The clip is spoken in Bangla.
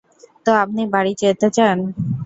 তো, আপনি বাড়ি যেতে চান।